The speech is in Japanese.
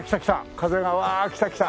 風がわあ来た来た。